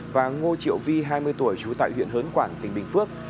và ngô triệu vi hai mươi tuổi chú tại huyện hớn quảng tỉnh bình phước